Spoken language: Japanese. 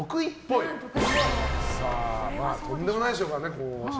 身体能力とんでもないでしょうからね。